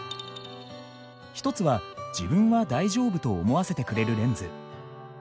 一つは「自分は大丈夫」と思わせてくれるレンズ。